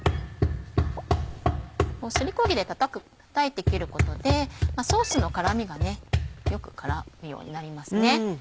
すりこ木でたたいて切ることでソースの絡みがよく絡むようになりますね。